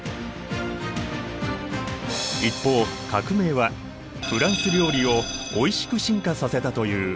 一方革命はフランス料理をおいしく進化させたという。